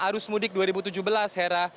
arus mudik dua ribu tujuh belas hera